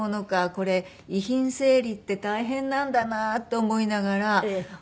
これ遺品整理って大変なんだなって思いながら。